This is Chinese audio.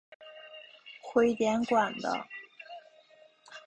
徽典馆的。